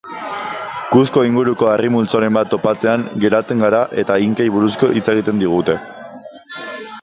Cuzco inguruko harri multzoren bat topatzean geratzen gara eta inkei buruz hitz egiten digute.